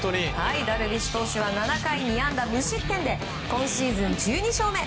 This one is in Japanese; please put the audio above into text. ダルビッシュ投手は７回２安打無失点で今シーズン１２勝目。